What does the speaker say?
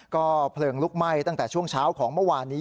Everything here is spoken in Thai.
ก็เพลิงลุกไหม้ตั้งแต่ช่วงเช้าของเมื่อวานนี้